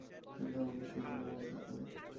কিন্তু আমাদের সুযোগ নেওয়া উচিত নয়।